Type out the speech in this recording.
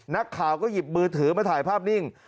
นักข่าวก็หยิบมือถือมาถ่ายภาพนิ่ง